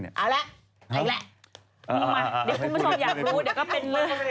เอาล่ะเอาอย่างนี้แหละ